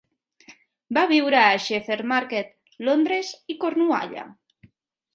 Va viure a Shepherd Market, Londres i Cornualla.